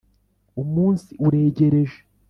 umunsi uregereje.